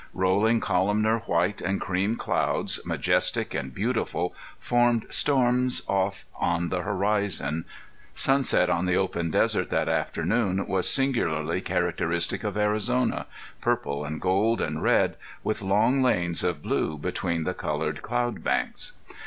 Rolling columnar white and cream clouds, majestic and beautiful, formed storms off on the horizon. Sunset on the open desert that afternoon was singularly characteristic of Arizona purple and gold and red, with long lanes of blue between the colored cloud banks.